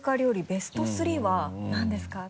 ベスト３は何ですか？